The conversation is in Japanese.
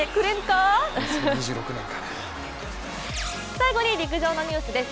最後に陸上のニュースです。